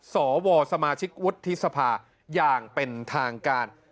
สวสมาชิกวุฒิสภาอย่างเป็นทางการ